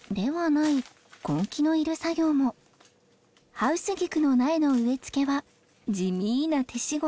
ハウスギクの苗の植えつけは地味な手仕事。